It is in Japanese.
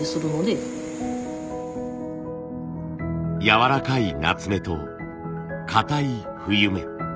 やわらかい夏目とかたい冬目。